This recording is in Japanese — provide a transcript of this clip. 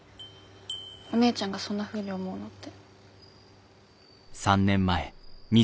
お姉ちゃんがそんなふうに思うのって。